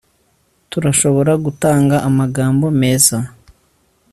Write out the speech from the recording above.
turashobora gutanga amagambo meza